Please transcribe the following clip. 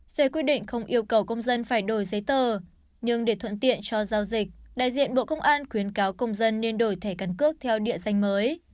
về quy định không yêu cầu công dân phải đổi giấy tờ nhưng để thuận tiện cho giao dịch đại diện bộ công an khuyến cáo công dân nên đổi thẻ căn cước theo địa danh mới